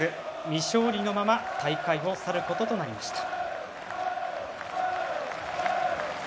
未勝利のまま大会を去ることとなりました。